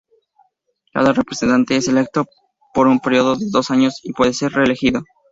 Cada representante es electo por un período de dos años y puede ser reelegido.